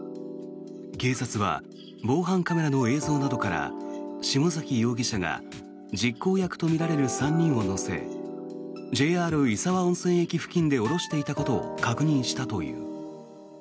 警察は防犯カメラの映像などから下崎容疑者が実行役とみられる３人を乗せＪＲ石和温泉駅付近で降ろしていたことを確認したという。